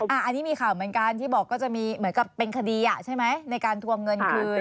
อันนี้มีข่าวเหมือนกันที่บอกก็จะมีเหมือนกับเป็นคดีใช่ไหมในการทวงเงินคืน